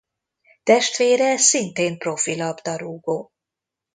Testvére szintén profi labdarúgó.